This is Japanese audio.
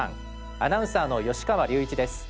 アナウンサーの芳川隆一です。